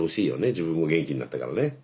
自分も元気になったからね。